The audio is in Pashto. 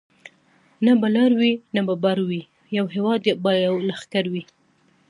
نه به لر وي نه به بر وي یو هیواد یو به لښکر وي